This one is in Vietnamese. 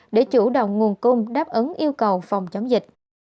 để chủ động nguồn cung đáp ứng yêu cầu phòng chống dịch